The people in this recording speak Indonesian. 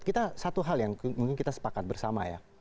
kita satu hal yang mungkin kita sepakat bersama ya